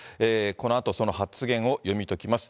このあとその発言を読み解きます。